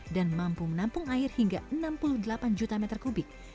dan mampu menampung air hingga enam puluh delapan juta meter kubik